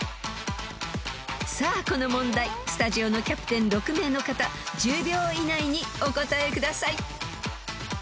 ［さあこの問題スタジオのキャプテン６名の方１０秒以内にお答えください］